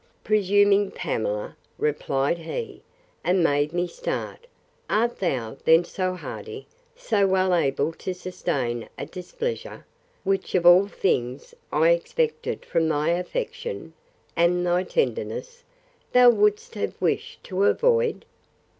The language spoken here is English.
Presuming Pamela! replied he, and made me start; Art thou then so hardy, so well able to sustain a displeasure, which of all things, I expected from thy affection, and thy tenderness, thou would'st have wished to avoid?